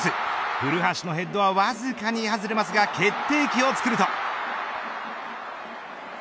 古橋のヘッドはわずかに外れますが決定機をつくると。